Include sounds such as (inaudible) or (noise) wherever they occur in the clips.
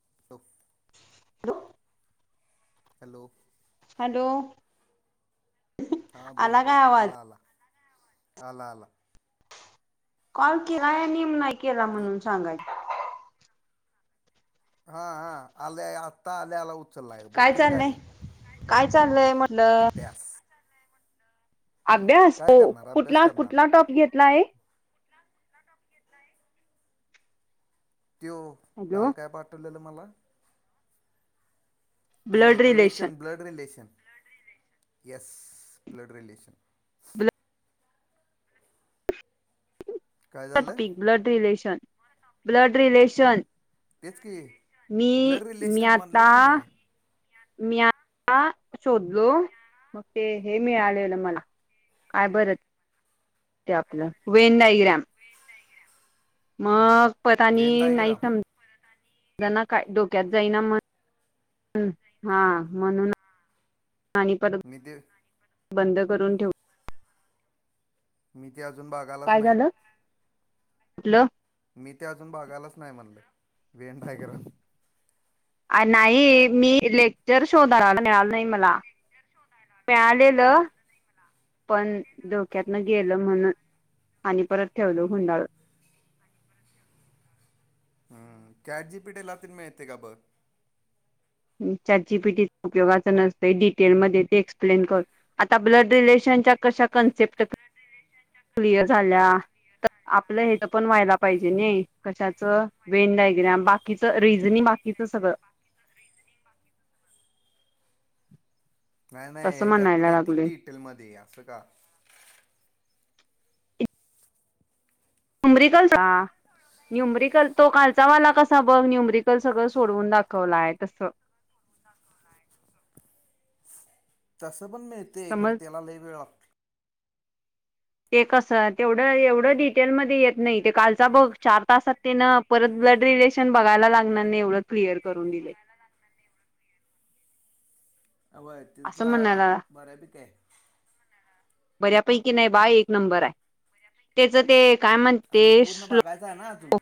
(inaudible) Low hello! Hello हा बोल आला बोल, काय आवाज अला आला, अला आला, कॉल केलाय नीम नाही केला मी म्हणून सांगाय हा हा, आले आत्ता आल्या आला उचललाय काय बुक्कीच चाललंय घालीन काय चाललंय म्हण अभ्यास. अभ्यास काय हो करणार अभ्यास कुठला, करणार कुठला, टॉप घेतला आहे. त्यो, हॅलो काल काय पाठवलेलं मला ते relation, blood relation. Yes. Blood relation blood काय झालं ब्लड रिलेशन, ब्लड रिलेशन तेच कि मी ब्लड मी रिलेशन म्हणलं आता की मी. मी आता शोधलो, मग ते हे मिळालेलं मला. काय बरं? ते आपलं वेनाई ग्रॅम मग परत आनी व्हेन नाही डायग्राम समजना काय डोक्यात जाईना? म्हणून हा म्हंनुन मी देवू. बंद करून ठेव मी ते अजून बघायलाच नाही. हॅलो. मी ते अजून बघायलाच नाही म्हणलय, वेंडाय ग्रॅम. आ नाही मी लेक्चर शोधा, मिळाल नाही मला. मिळालेलं पण डोक्यातन गेलं म्हणून आणि परत ठेवलो गुंडाळून. हम् चाट जी पी टी ला तेन मिळतय काय बग? चाट जीपीटी उपोगाच नसतंय, डिटेल मध्ये ते एक्सप्लेन कर आता ब्लड रिलेशनच्या कशा कन्सेप्ट क्लिअर झाल्या आपलं हेच पण व्हायला पाहिजे नाही, कशाच वेन डायग्राम, बाकीच रिजनिंग. बाकीचं सगळं. नाही नाही तसं ह्याच्यात पण म्हणायला येतय, की लागलोय डिटेल मध्ये असं का? नुम्रिकॉल. न्युम्रिकल तो काल चा वाला कसा बघ? न्युम्रिकल सगळं सोडवून दाखवला हाय तसं. (inaudible) तसं पण मिळतय खर, समज तेला लई वेळ लागतोय. ते कस तेवढं, एवढं डिटेलमध्ये येत नाही. ते कालचा बघ चार तासात तेन परत ब्लड रिलेशन बघायला लागणार नाही एवढं क्लिअर करून दिलय. (inaudible) वय तिथ बऱ्या पिकी हाय. पैकी नाही बा, एक नंबर हाय. तेच ते काय आम्ही म्हणते पूर्ण बगायचा हाय ना अजून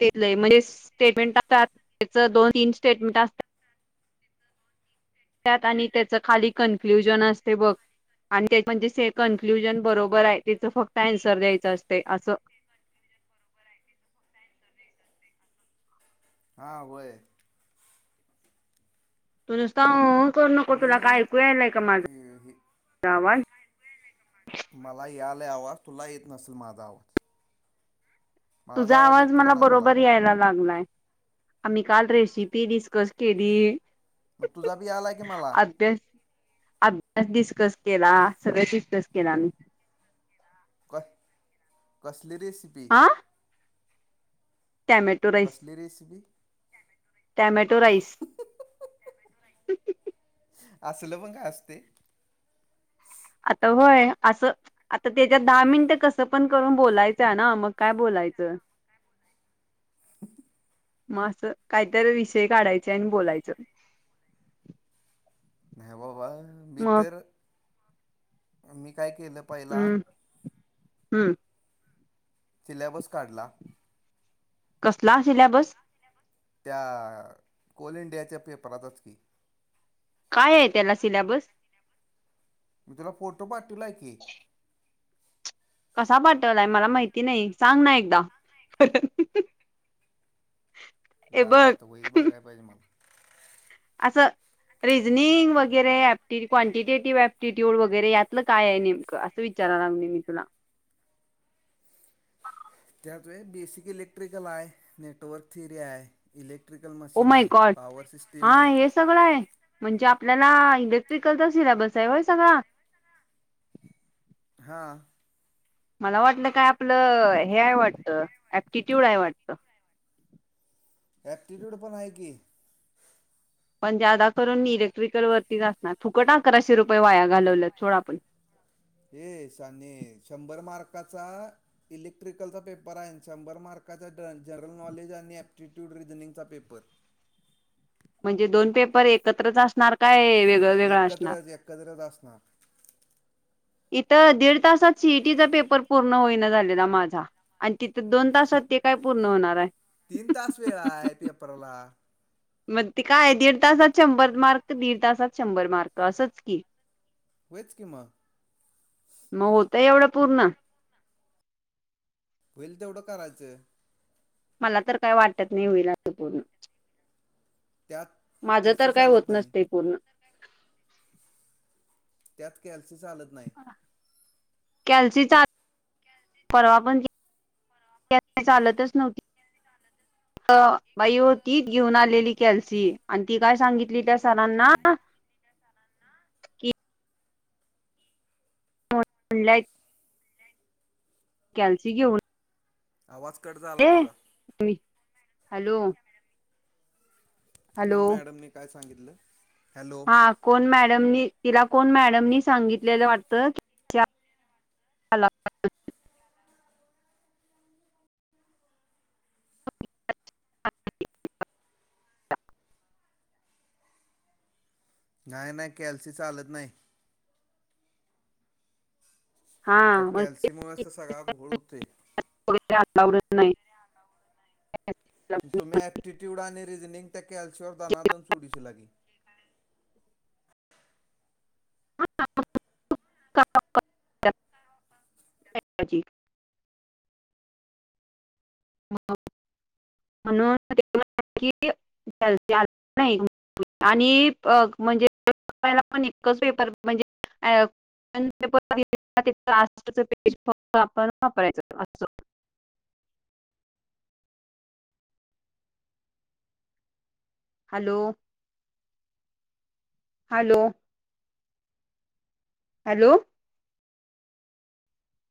तेच रे म्हणजे स्टेटमेंट असतात, त्याच दोन तीन स्टेटमेंट असत्यात. त्यात आणि त्याच खाली कनक्लुजन असतय बघ. आणि त्यात म्हणजेे कन्क्लुजन बरोबर हाय तिथ फक्त ॲनसर द्यायचं असतय असं. मयययय (inaudible) हा व्हय. तु नुस्ता हुं हुं करू नको, तुला मी काय ऐकू यायलाय का माझं? अ, हे- गावात. मला यालय आवाज, तुला येत नसल माझा आवाज. माझा तुझा आवाज येतो का मला ना तुला बरोबर यायला लागलाय. आमी काल रेसिपी डिस्कस केली. मग तुझा बी यालाय की मला त्यात डिस्कस केला, सगळ डिस्कस केल आमी. कस कसली रेसिपी? हा टॅमॅटो राईस, कसली रेसिपी टॅमॅटो राईस. अआइइईईउऊ (inaudible) आसल पण काय असतय? आता होय आसं, आता तेच्यात दहा मिनिटं कसं पण करून बोलायचं हाय ना, मग काय बोला बघायचं. मग असं काहीतरी विषय काढायचे आणि बोलायच. नाही बाबा मी तर मी. काय केलं पहिला. हम्म हम्म सिलेबस काढला. कसला असेल सिल्याबस. त्या कोल इंडियाच्या पेपरातच की. काय आहे त्याला सिलेबस. तुला फोटो पाठवला की. क पाठवलाय मला माहिती नाही सांग ना एकदा. हे दाबा आता वईर बघ बाघाय पाहिजे मला. असं. रिजनिंग वगैरे क्ांटिटेटिव्ह प्टीट्यूड वगैरे यातलं काय नेमकं असं विचार. रा नी नििकला. त्यात बेसिक इलेक्ट्रिकल आहे नेटवर्क त र आहे electrical oh machine my आहे गॉड पॉवर हा सिस्टीम आहेत. हे सगळं आहे म्हणजे आपल्याला इलेक्ट्रिकलचा सिलेबस आहे होय सगळा. हा. मला वाटलं काय आपलं हेय वाटत ऍप्टिट्यूड आहेय वाटत. (unintelligible) एऍक्टिट्यूड पणय की. पण जादा करून मी इलेक्ट्रिकल वरतीच असणार फुकट अकराशे रुपये वाया घालवलं सोडं आपण. (unintelligible) येशहाणेशंभर मार्काचा इलेक्ट्रिकलचा पेपर आहे शंभर मार्क. का जनरल नॉलेज आणि अप्टिट्यूड रिझनिंगचा पेपर. म्हणजे दोन पेपर एकत्रच असणार काय. वेगळं वेगळं असणार एकत्रच एकत्रच असणार. इथ दीड तासात सीईटीचा पेपर पूर्ण होईन झालेला माझा. तिथ दोन तासात ते काय पूर्ण होणार आहे. तीन तास वेळ आहे पेपरला मग ते काय दीड तासात शंभर मार्क दीड तासात शंभर मार्क असंच की. होच किंमा. मग होत एवढं पूर्ण. होईल तेवढं करायचं. मला तर काही वाटत नाही होईल असं पूर्ण. त्यात माझं तर कॅल्सी काय होत चालत नाही नसतय पूर्ण. त्यात कॅल्सी चालत नाही. कॅल्सी चा. परवा पणत चालतच नव्हती. बाई हो तीच घेऊन आलेली कॅल्सी आणि ती काय सांगितली त्या सरांना. कि मलाई कॅल्सी घीऊन. आवाज कट झाला तुझा. हॅलो! कोण हॅलो मॅडमने काय सांगितलं. हॅलो हा कोण मॅडमनी तिला. कोण मॅडमनी सांगितलेलं वाटत. (unintelligible) नाही नाही कॅल्सी चालत नाही. हा त्या कॅल्सीमुळेच तर मगगैवडत सगळा घोळ होते नाही. तुम्ही अऍक्टिट्यूड आणि रिझनिंग त्या कॅल्सीवर दनादन सोडवशीला की. ज म्हणून आ आणि म्हणजेला पण इच पेपर म्हणजे अ पेज फक्त आपण वापरायचं अस हॅलो हॅलो हॅलो